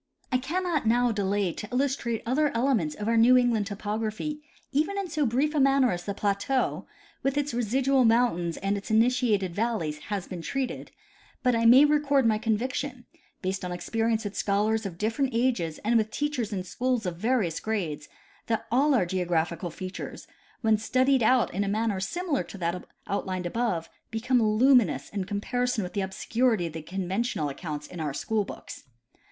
I cannot now delay to illustrate other elements of our New England topography, even in so brief a manner as the plateau, with its residual mountains and its initiated valleys, has been treated ; but I may record my conviction, based on experience with scholars of different ages and with teachers in schools of various grades, that all our geographical features, when studied out in a manner similar to that outlined above, become lumi nous in comparison with the obscurity of the conventional ac counts in our school books.